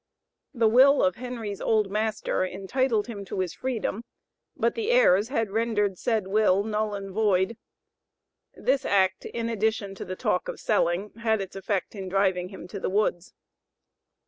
The will of Henry's old master entitled him to his freedom, but the heirs had rendered said will null and void; this act in addition to the talk of selling had its effect in driving him to the woods.